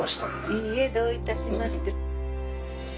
いいえどういたしまして。